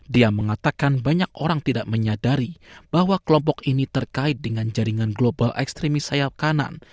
dia mengatakan banyak orang tidak menyadari bahwa kelompok ini terkait dengan jaringan global ekstremis sayap kanan